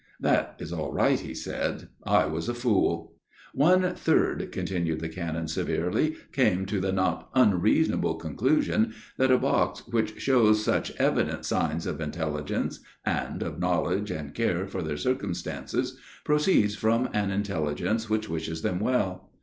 " That is all right," he said ;" I was a fool." " One third," continued the Canon severely, "came to the not unreasonable conclusion that a box which shows such evident signs of intelli gence, and of knowledge and care for their cir cumstances, proceeds from an Intelligence which wishes them well.